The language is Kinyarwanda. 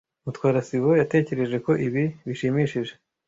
Mutwara sibo yatekereje ko ibi bishimishije.